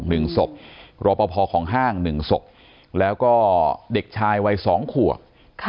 หนึ่งศพรอปภของห้างหนึ่งศพแล้วก็เด็กชายวัยสองขวบค่ะ